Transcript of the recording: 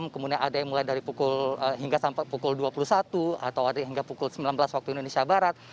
kemudian ada yang mulai dari pukul hingga sampai pukul dua puluh satu atau ada yang hingga pukul sembilan belas waktu indonesia barat